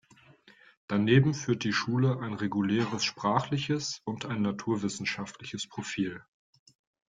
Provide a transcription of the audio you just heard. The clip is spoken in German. Daneben führt die Schule ein reguläres sprachliches und ein naturwissenschaftliches Profil.